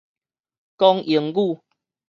講英語